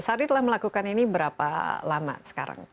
sari telah melakukan ini berapa lama sekarang